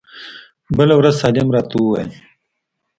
بله ورځ سالم راته وويل.